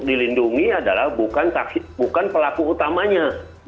dilindungi adalah bukan pelaku utamanya